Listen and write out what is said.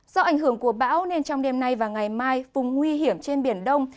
do ảnh hưởng của bão nên trong đêm nay và ngày mai vùng nguy hiểm trên biển đông